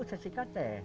oh sesikat ya